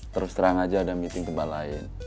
terus terang saja ada meeting tempat lain